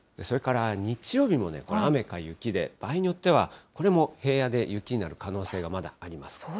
それから日曜日も雨か雪で場合によってはこれも平野で雪になる可能性がまだあります。